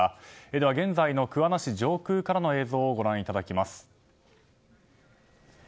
では現在の桑名市上空からの映像をご覧いただきます。